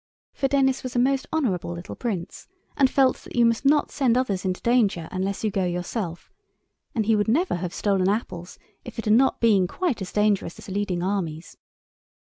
For Denis was a most honourable little Prince, and felt that you must not send others into danger unless you go yourself, and he would never have stolen apples if it had not been quite as dangerous as leading armies.